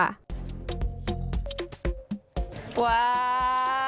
wah ini harus pakai ini bu